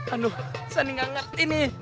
aduh sani gak ngerti nih